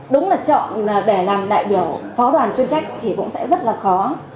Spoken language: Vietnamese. đúng là chọn để làm đại biểu phó đoàn chuyên trách thì cũng sẽ rất là khó